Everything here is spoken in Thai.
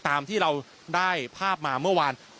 ตามที่เราได้ภาพมาเมื่อวาน